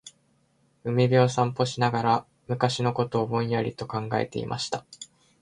•海辺を散歩しながら、昔のことをぼんやりと考えていました。